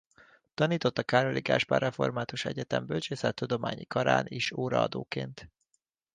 Tanított a Károli Gáspár Református Egyetem Bölcsészettudományi Karán is óraadóként.